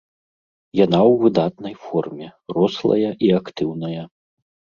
Яна ў выдатнай форме, рослая і актыўная.